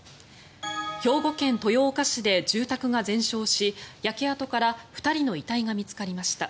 兵庫県豊岡市で住宅が全焼し焼け跡から２人の遺体が見つかりました。